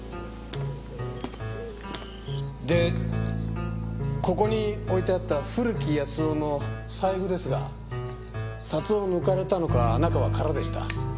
でここに置いてあった古木保男の財布ですが札を抜かれたのか中は空でした。